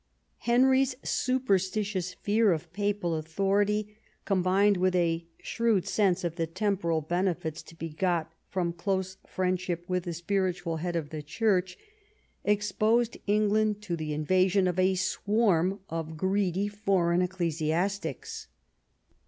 Henry's superstitious fear of papal authority, combined with a shrewd sense of the temporal benefits to be got from close friendship with the spiritual head of the Church, exposed England to the invasion of a swarm of greedy foreign ecclesiastics.